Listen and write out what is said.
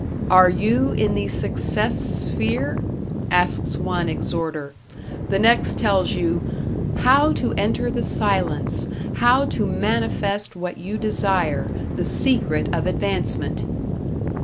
"Are you in the success sphere?" asks one exhorter; the next tells you "How to enter the silence. How to manifest what you desire. The secret of advancement."